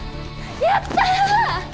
やった！